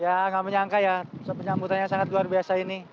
ya nggak menyangka ya penyambutannya sangat luar biasa ini